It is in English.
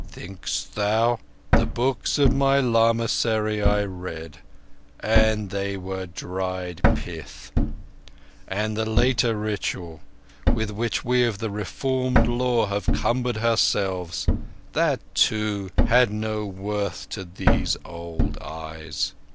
"Thinkest thou? The books of my lamassery I read, and they were dried pith; and the later ritual with which we of the Reformed Law have cumbered ourselves—that, too, had no worth to these old eyes.